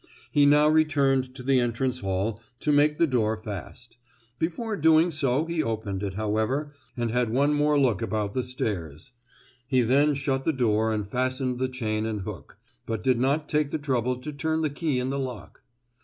He now returned to the entrance hall to make the door fast; before doing so he opened it, however, and had one more look about the stairs. He then shut the door and fastened the chain and hook, but did not take the trouble to turn the key in the lock.